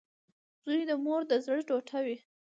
• زوی د مور د زړۀ ټوټه وي.